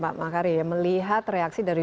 pak makari melihat reaksi dari